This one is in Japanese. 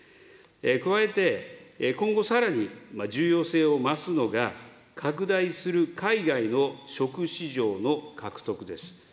加えて、今後さらに、重要性を増すのが、拡大する海外の食市場の獲得です。